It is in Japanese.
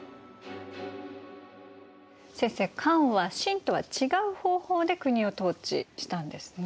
先生漢は秦とは違う方法で国を統治したんですね。